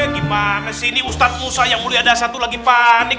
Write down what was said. gimana sih ini ustadz musa yang mulia ada satu lagi panik